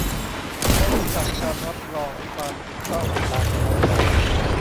ใช้สำหรับการรับรองความถูกต้องตามโฮสต์